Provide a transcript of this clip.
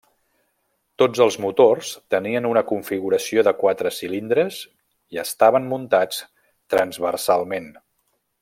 Tots els motors tenien una configuració de quatre cilindres i estaven muntats transversalment.